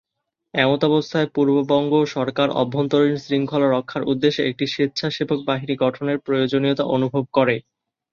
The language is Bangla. এমতাবস্থায় পূর্ববঙ্গ সরকার অভ্যন্তরীণ শৃঙ্খলা রক্ষার উদ্দেশ্যে একটি স্বেচ্ছাসেবক বাহিনী গঠনের প্রয়োজনীয়তা অনুভব করে।